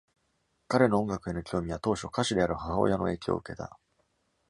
彼の音楽への興味は当初、歌手である母親の影響を受けた。